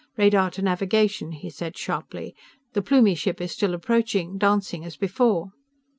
"Radar to navigation!" he said sharply. "The Plumie ship is still approaching, dancing as before!"